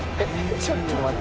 ちょっと待って。